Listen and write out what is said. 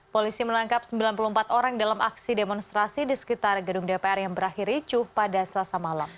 polisi menangkap sembilan puluh empat orang dalam aksi demonstrasi di sekitar gedung dpr yang berakhir ricuh pada selasa malam